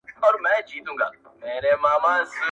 زه کله زما ګرانه د زړه سره مئين نه وم